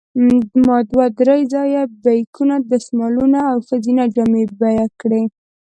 ما دوه درې ځایه بیکونه، دستمالونه او ښځینه جامې بیه کړې.